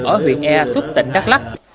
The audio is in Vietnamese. ở huyện ea xúc tỉnh đắk lắk